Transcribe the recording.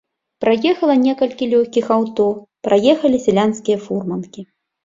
Праехала некалькі лёгкіх аўто, праехалі сялянскія фурманкі.